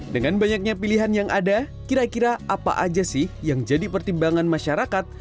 dengan banyaknya pilihan yang ada kira kira apa aja sih yang jadi pertimbangan masyarakat